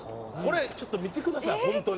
「ちょっと見てください本当に」